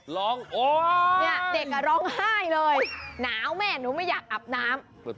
ร้องโอ้เนี่ยเด็กร้องไห้เลยหนาวแม่หนูไม่อยากอาบน้ำ